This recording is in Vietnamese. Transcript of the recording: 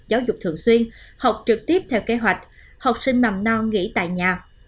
giáo dục thường xuyên học trực tiếp theo kế hoạch học sinh mầm non nghỉ tại nhà